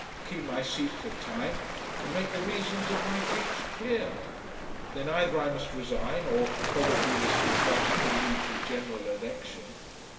"Keep my seat for a time and make the reasons of my breach clear. Then either I must resign or probably this new Budget will lead to a General Election.